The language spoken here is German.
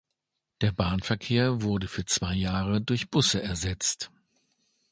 Der Bahnverkehr wurde für zwei Jahre durch Busse ersetzt.